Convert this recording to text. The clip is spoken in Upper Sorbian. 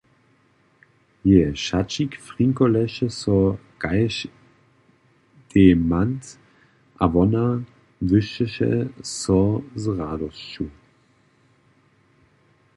Jeje šaćik frinkoleše so kaž dejmant a wona błyšćeše so z radosću.